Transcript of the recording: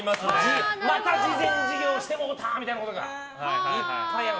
慈善事業してもうたみたいなことがいっぱいある。